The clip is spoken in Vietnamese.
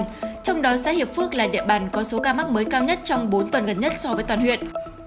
trong đó xã hiệp phước là địa bàn có số ca mắc mới cao nhất trong bốn tuần gần nhất so với toàn huyện